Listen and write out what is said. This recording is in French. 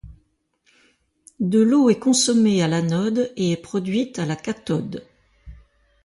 De l'eau est consommée à l'anode et est produite à la cathode.